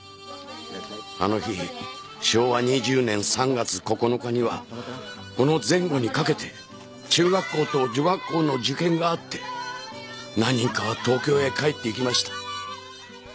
あの日昭和２０年３月９日にはこの前後にかけて中学校と女学校の受験があって何人かは東京へ帰っていきました。